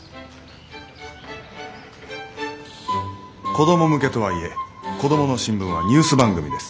子ども向けとはいえ「コドモの新聞」はニュース番組です。